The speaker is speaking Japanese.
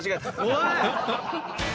おい！